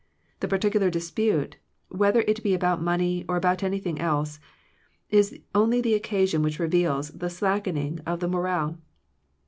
The particular dispute, whether it be about money or about anything else, is only Ihe occasion which reveals the slackening of the mo rale.